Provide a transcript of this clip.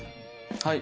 はい。